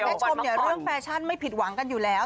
ชมเนี่ยเรื่องแฟชั่นไม่ผิดหวังกันอยู่แล้ว